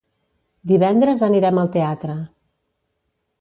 Divendres anirem al teatre.